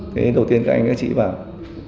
thế đầu tiên các anh các chị bảo